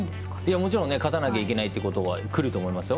もちろん勝たなきゃいけないことはくると思いますよ。